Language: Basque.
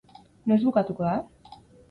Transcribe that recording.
Noiz bukatuko da?